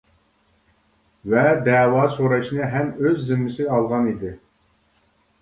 ۋە دەۋا سوراشنى ھەم ئۆز زىممىسىگە ئالغان ئىدى.